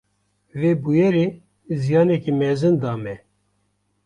Wê bûyerê ziyaneke mezin da me.